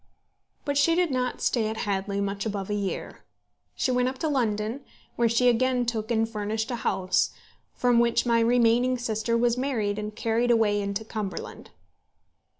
But she did not stay at Hadley much above a year. She went up to London, where she again took and furnished a house, from which my remaining sister was married and carried away into Cumberland.